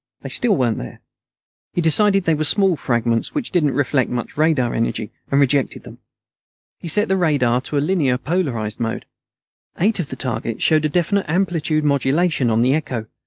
They still weren't there. He decided they were small fragments which didn't reflect much radar energy, and rejected them. He set the radar to a linearly polarized mode. Eight of the targets showed a definite amplitude modulation on the echo.